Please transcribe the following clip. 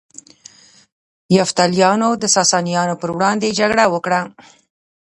یفتلیانو د ساسانیانو پر وړاندې جګړه وکړه